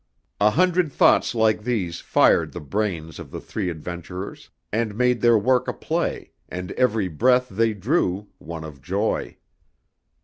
A hundred thoughts like these fired the brains of the three adventurers, and made their work a play, and every breath they drew one of joy.